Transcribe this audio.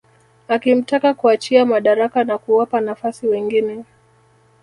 Akimtaka kuachia madaraka na kuwapa nafasi wengine